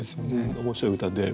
面白い歌で。